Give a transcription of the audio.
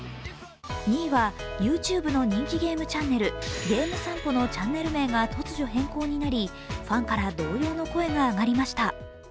２位はＹｏｕＴｕｂｅの人気ゲームチャンネル、ゲームさんぽのチャンネル名が突如変更になりファンから動揺の声が上がりました。